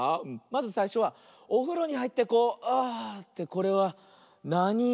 まずさいしょはおふろにはいってこうあってこれはなに「い」？